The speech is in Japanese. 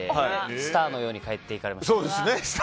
スターのように帰っていかれました。